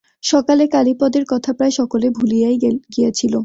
সকালে কালীপদর কথা প্রায় সকলে ভুলিয়াই গিয়াছিল।